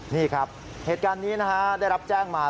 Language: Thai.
นี่ครับเหตุการณ์นี้นะฮะได้รับแจ้งมา